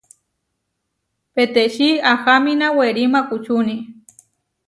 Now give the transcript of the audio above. Peʼtečí ahamína werí maʼkučúni.